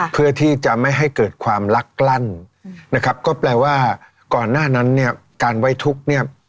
เพื่อที่จะไม่ให้เกิดความลักลั้นนะครับก็แปลว่าก่อนหน้านั้นเนี่ยการไว้ทุกข์เนี่ย